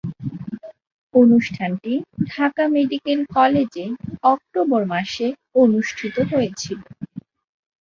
অনুষ্ঠানটি ঢাকা মেডিকেল কলেজে অক্টোবর মাসে অনুষ্ঠিত হয়েছিলো।